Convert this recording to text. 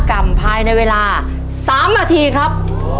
กรรมภายในเวลา๓นาทีครับ